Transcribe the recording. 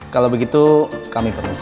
kalau begitu kami permisi